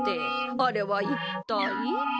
あれはいったい？